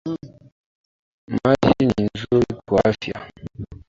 Maji ni nzuri kwa afya